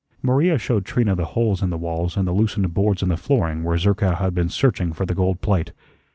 Maria showed Trina the holes in the walls and the loosened boards in the flooring where Zerkow had been searching for the gold plate.